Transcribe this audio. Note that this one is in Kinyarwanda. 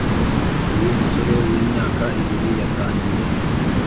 Uyu musore w’imyaka ibiri yatangiye